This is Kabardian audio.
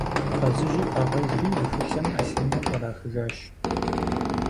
Къазыжьыр фӀагъэжри, и хулъэм Ӏэлъыныр кърахыжащ.